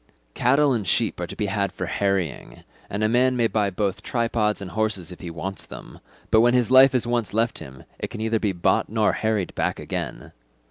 Cattle and sheep are to be had for harrying, and a man buy both tripods and horses if he wants them, but when his life has once left him it can neither be bought nor harried back again.